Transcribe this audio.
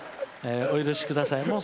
お許しください。